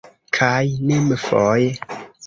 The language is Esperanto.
kaj nimfoj.